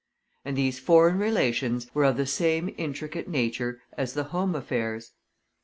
And these foreign relations were of the same intricate nature as the home affairs.